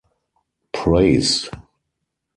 Preys.